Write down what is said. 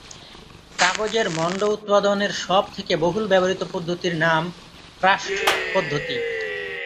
কাগজের মণ্ড উৎপাদনের সব থেকে বহুল ব্যবহৃত পদ্ধতির নাম ক্রাফট পদ্ধতি।